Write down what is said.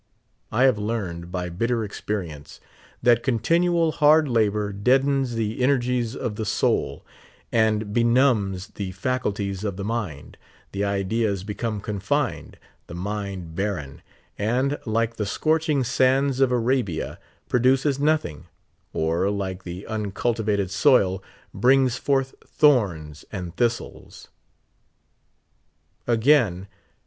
I have learned, by bitter experience, that continual hard lat>or deadens the energies of the soul, and benumbs the faculties of the mind ; the ideas be come confined, the mind barren, and, like the scorching sands of Arabia, produces nothing ; or, like the unculti vated soil, brings forth thorns and thistles. Again.